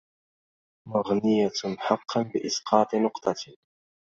مغنية حقا بإسقاط نقطة